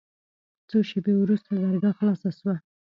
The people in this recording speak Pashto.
څو شېبې وروسته درګاه خلاصه سوه.